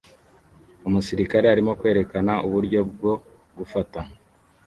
Umusirikare arimo kwerekana uburyo bwo gufata